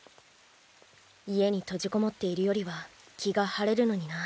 家に閉じこもっているよりは気が晴れるのにな。